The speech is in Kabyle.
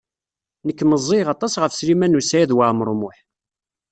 Nekk meẓẓiyeɣ aṭas ɣef Sliman U Saɛid Waɛmaṛ U Muḥ.